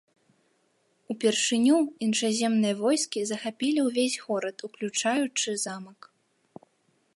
Упершыню іншаземныя войскі захапілі ўвесь горад, уключаючы замак.